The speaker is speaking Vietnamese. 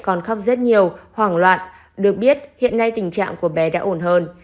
còn khóc rất nhiều hoảng loạn được biết hiện nay tình trạng của bé đã ổn hơn